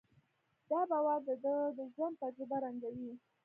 دا باور د ده د ژوند تجربه رنګوي.